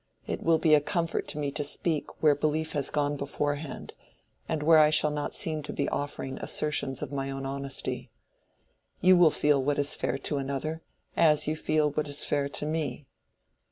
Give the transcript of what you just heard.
It will be a comfort to me to speak where belief has gone beforehand, and where I shall not seem to be offering assertions of my own honesty. You will feel what is fair to another, as you feel what is fair to me."